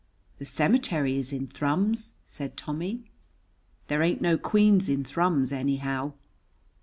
"The cemetery is in Thrums," said Tommy. "There ain't no queens in Thrums, anyhow."